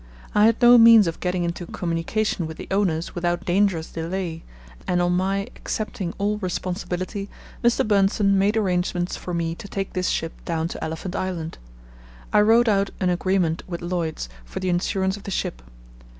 I had no means of getting into communication with the owners without dangerous delay, and on my accepting all responsibility Mr. Bernsten made arrangements for me to take this ship down to Elephant Island. I wrote out an agreement with Lloyd's for the insurance of the ship.